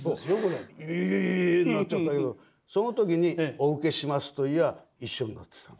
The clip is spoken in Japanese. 「えっ」なんて言ったけどその時に「お受けします」と言やあ一緒になってたの。